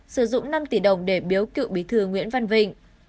sử dụng năm tỷ đồng để biếu cựu bí thư nguyễn văn vịnh